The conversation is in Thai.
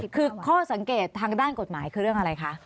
คือข้อสังเกตทางด้านกฎหมายคือเรื่องอะไรคะ